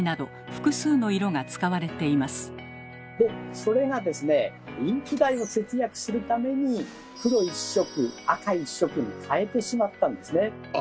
それがですねインク代を節約するために黒１色赤１色に変えてしまったんですね。